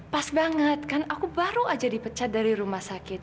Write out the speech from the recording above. pas banget kan aku baru aja dipecat dari rumah sakit